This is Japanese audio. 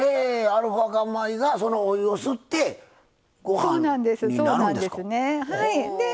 アルファ化米がそのお湯を吸ってご飯になるんですか。